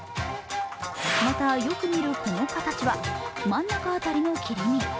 また、よく見るこの形は、真ん中辺りの切り身。